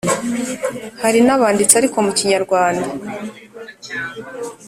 Hari n’abanditse ariko mu kinyarwanda.